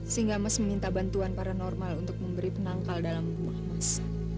sehingga mes meminta bantuan paranormal untuk memberi penangkal dalam rumah mas